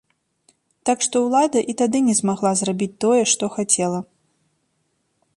Так што ўлада і тады не змагла зрабіць тое, што хацела.